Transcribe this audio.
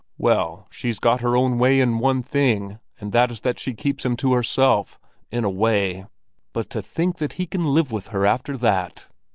Well, she's got her own way in one thing, and that is that she keeps him to herself—in a way. But to think that he can live with her after that!"